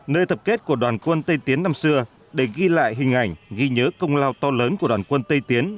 nơi tập kết của đoàn quân tây tiến năm xưa để ghi lại hình ảnh ghi nhớ công lao to lớn của đoàn quân tây tiến